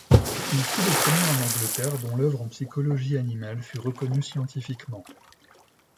Il fut le premier en Angleterre dont l'œuvre en psychologie animale fut reconnue scientifiquement.